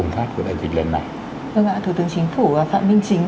vâng ạ thủ tướng chính phủ phạm minh chính